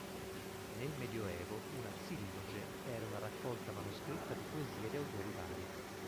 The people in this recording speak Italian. Nel Medioevo una "silloge" era una raccolta manoscritta di poesie di autori vari.